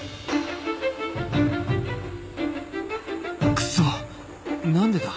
クソ何でだ？